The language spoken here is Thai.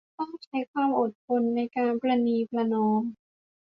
ต้องใช้ความอดทนในการประนีประนอม